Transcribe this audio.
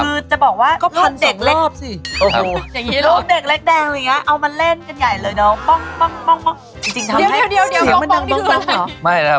คือจะบอกว่าลูกเด็กเล็กแดงเอามาเล่นกันใหญ่เลยเนาะ